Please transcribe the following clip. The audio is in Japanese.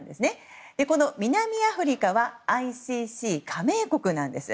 そして、この南アフリカはＩＣＣ加盟国なんです。